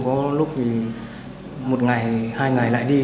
có lúc thì một ngày hai ngày lại đi